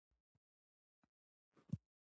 په دې لحاظ د زراعت او صنعت ترمنځ توپیر نشته.